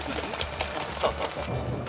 そうそうそうそう。